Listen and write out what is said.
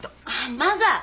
マザー！